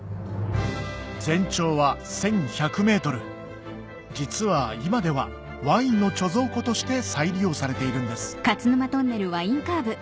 全長は１１００ｍ実は今ではワインの貯蔵庫として再利用されているんです